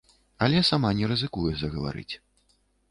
Але сама не рызыкуе загаварыць.